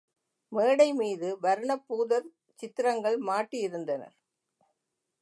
மேடை மீது வருணப் பூதர் சித்திரங்கள் மாட்டி இருந்தனர்.